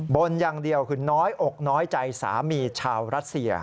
บนอย่างเดียวคือน้อยอกน้อยใจสามีชาวรัสเซีย